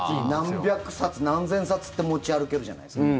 何百冊、何千冊って持ち歩けるじゃないですか。